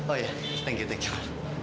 oh iya terima kasih